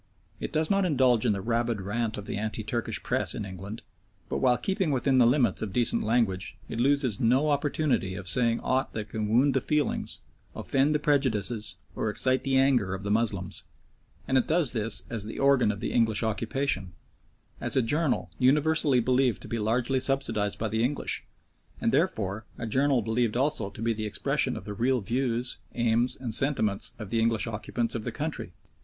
It does not indulge in the rabid rant of the anti Turkish Press in England, but while keeping within the limits of decent language it loses no opportunity of saying aught that can wound the feelings, offend the prejudices, or excite the anger of the Moslems, and it does this as the organ of the English occupation, as a journal universally believed to be largely subsidised by the English, and therefore a journal believed also to be the expression of the real views, aims, and sentiments of the English occupants of the country.